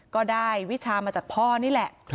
ก็ได้วิชามาจากพ่อนี่แหละ